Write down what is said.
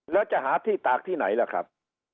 แล้วจะหาที่ตากที่ไหนล่ะครับ